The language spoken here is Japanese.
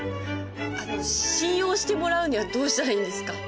あの信用してもらうにはどうしたらいいんですか？